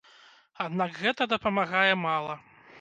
Аднак, гэта дапамагае мала.